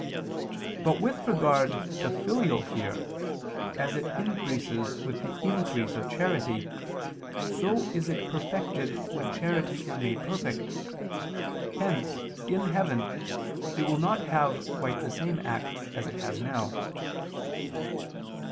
But with regard to filial fear, as it increases with the increase of charity, so is it perfected when charity is made perfect; hence, in heaven, it will not have quite the same act as it has now.